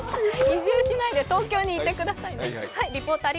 移住しないで東京にいてくださいね。